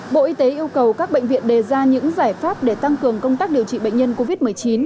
bộ y tế yêu cầu các bệnh viện đề ra những giải pháp để tăng cường công tác điều trị bệnh nhân covid một mươi chín